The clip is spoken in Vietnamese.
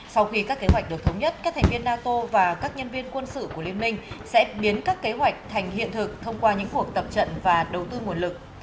sau khi các kế hoạch được thống nhất các thành viên nato và các nhân viên quân sự của liên minh sẽ biến các kế hoạch thành hiện thực thông qua những cuộc tập trận và đầu tư nguồn lực